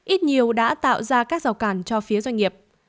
ít nhiều đã tạo ra các rào cản cho phía doanh nghiệp